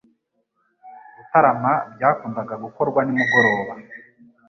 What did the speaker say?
gutarama byakundaga gukorwa nimugoroba